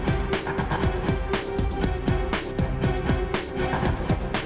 ini adalah jam lagu berikut